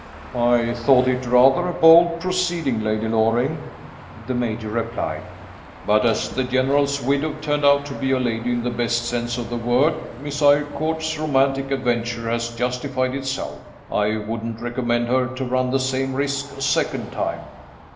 "I thought it rather a bold proceeding, Lady Loring," the Major replied. "But as the General's widow turned out to be a lady, in the best sense of the word, Miss Eyrecourt's romantic adventure has justified itself. I wouldn't recommend her to run the same risk a second time."